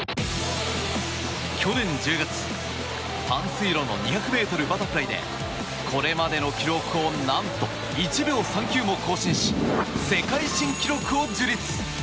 去年１０月短水路の２００ｍバタフライでこれまでの記録を何と１秒３９も更新し世界新記録を樹立。